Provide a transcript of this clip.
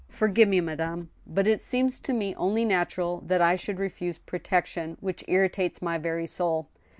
" Forgive me, madame. But it seems to me only natural that I should refuse protection which irritates my very soul.